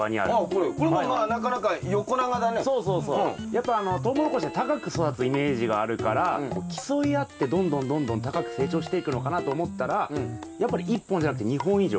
やっぱトウモロコシは高く育つイメージがあるから競い合ってどんどんどんどん高く成長していくのかなと思ったらやっぱり１本じゃなくて２本以上。